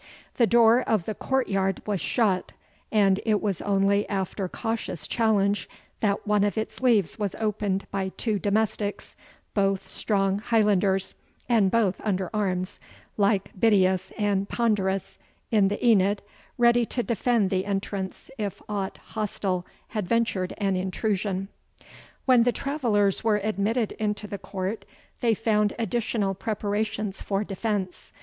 The door of the court yard was shut; and it was only after cautious challenge that one of its leaves was opened by two domestics, both strong Highlanders, and both under arms, like Bitias and Pandarus in the AEneid, ready to defend the entrance if aught hostile had ventured an intrusion. When the travellers were admitted into the court, they found additional preparations for defence.